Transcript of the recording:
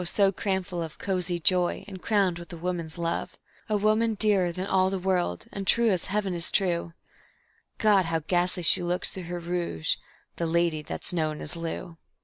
so cramful of cosy joy, and crowned with a woman's love A woman dearer than all the world, and true as Heaven is true (God! how ghastly she looks through her rouge, the lady that's known as Lou.)